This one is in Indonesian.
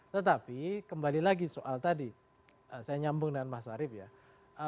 tetapi kembali lagi soal tadi saya nyambung dengan mas arief ya